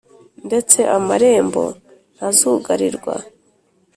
ndetse amarembo ntazugarirwa